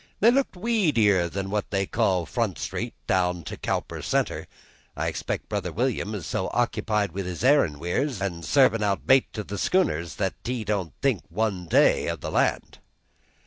"They look weedier than what they call Front Street down to Cowper Centre. I expect brother William is so occupied with his herrin' weirs an' servin' out bait to the schooners that he don't think once a day of the land."